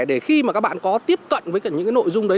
để khi các bạn có tiếp cận với những nội dung đấy